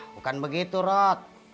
bukan begitu rot